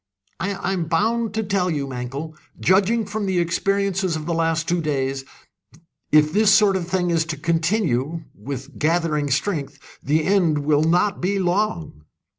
"I am bound to tell you, Mankell, judging from the experiences of the last two days, if this sort of thing is to continue with gathering strength! the end will not be long."